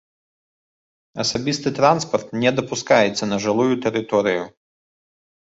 Асабісты транспарт не дапускаецца на жылую тэрыторыю.